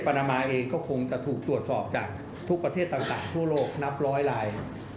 นามาเองก็คงจะถูกตรวจสอบจากทุกประเทศต่างทั่วโลกนับร้อยลาย